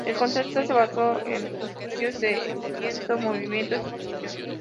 El concepto se basó en estudios del viento, movimiento y tensión.